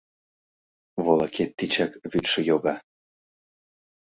Волакет тичак вӱдшӧ йога